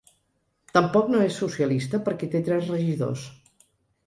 Tampoc no és socialista, perquè té tres regidors.